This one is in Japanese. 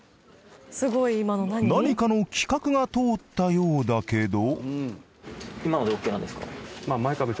何かの企画が通ったようだけど。